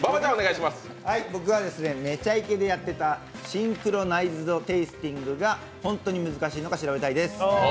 僕は「めちゃイケ」でやっていたシンクロナイズドテイスティングが本当に難しいのか、調べたいです。